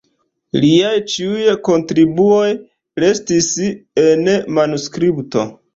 Liaj ĉiuj kontribuoj restis en manuskripto.